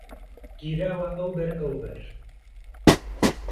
گیراوه ئهو بهر ئهوبهر